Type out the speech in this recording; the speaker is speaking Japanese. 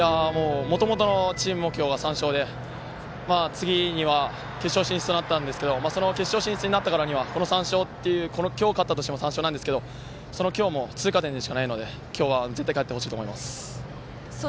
もともとのチーム目標が３勝で次には決勝進出となったんですが決勝進出となったからには今日、勝っても３勝なんですけど今日も通過点でしかないので今日は絶対に勝ってほしいと思います。